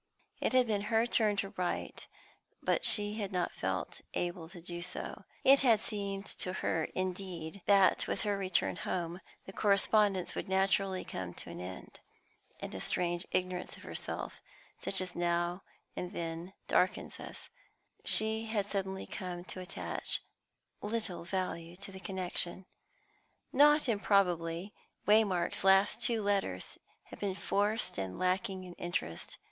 It had been her turn to write, but she had not felt able to do so; it had seemed to her, indeed, that, with her return home, the correspondence would naturally come to an end; with a strange ignorance of herself, such as now and then darkens us, she had suddenly come to attach little value to the connection. Not improbably, Waymark's last two letters had been forced and lacking in interest.